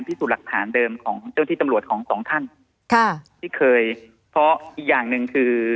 พิสูจน์หลักฐานเดิมของเจ้าที่ตำรวจของสองท่านค่ะที่เคยเพราะอีกอย่างหนึ่งคือ